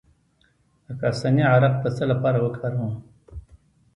د کاسني عرق د څه لپاره وکاروم؟